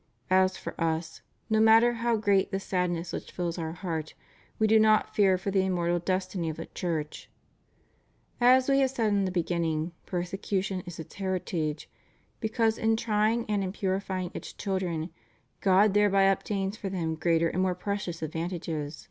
As for Us, no matter how great the sadness which fills Our heart, We do not fear for the immortal destiny of the Church. As We have said in the beginning, perse cution is its heritage, because in trying and in purifying its children, God thereby obtains for them greater and more precious advantages.